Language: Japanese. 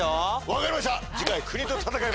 分かりました！